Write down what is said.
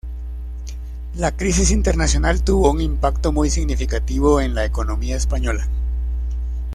La crisis internacional tuvo un impacto muy significativo en la economía española.